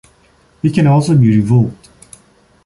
It can also be revoked.